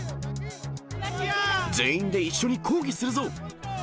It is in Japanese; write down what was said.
全員で一緒に抗議するぞ。